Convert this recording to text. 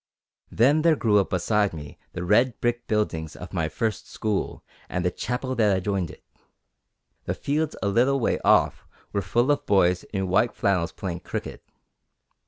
Then there grew up beside me the red brick buildings of my first school and the chapel that adjoined it. The fields a little way off were full of boys in white flannels playing cricket.